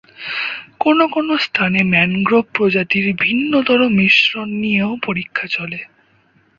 কোনো কোনো স্থানে ম্যানগ্রোভ প্রজাতির ভিন্নতর মিশ্রণ নিয়েও পরীক্ষা চলে।